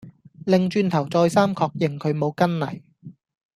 擰轉頭再三確認佢冇跟嚟